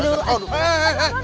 aduh aduh aduh